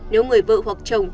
nếu người vợ hoặc chồng